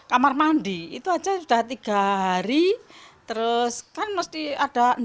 tak memiliki banyak pilihan masyarakat pun harus merogoh kocek lebih dalam